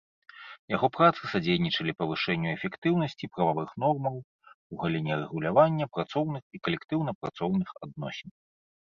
Яго працы садзейнічалі павышэнню эфектыўнасці прававых нормаў у галіне рэгулявання працоўных і калектыўна-працоўных адносін.